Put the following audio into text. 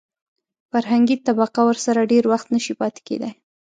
فرهنګي طبقه ورسره ډېر وخت نشي پاتې کېدای.